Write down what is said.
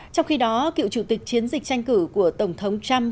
trong khi đó cựu chủ tịch chiến dịch tranh cử của tổng thống trump